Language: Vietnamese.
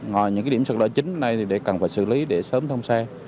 rồi những cái điểm sạt lở chính này thì cần phải xử lý để sớm thông xe